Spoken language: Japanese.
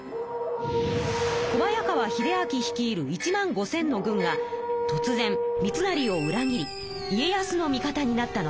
小早川秀秋率いる１万５，０００の軍がとつぜん三成を裏切り家康の味方になったのです。